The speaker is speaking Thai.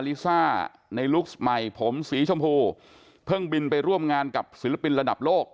ลิซ่าในลุคใหม่ผมสีชมพูเพิ่งบินไปร่วมงานกับศิลปินระดับโลก